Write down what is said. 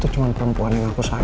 itu cuman perempuan yang aku sayang